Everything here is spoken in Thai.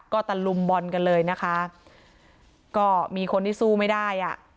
ก็ตะลุมบอลกันเลยนะคะก็มีคนที่สู้ไม่ได้อ่ะ